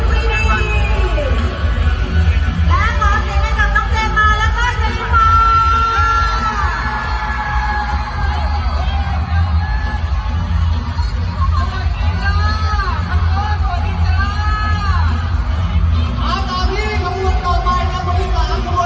ทุกสาวอวารพฤษวังมินักฝนและสักสามนะครับข้าเพื่อนพรีวัตตาและเจสซะลิตาอ่า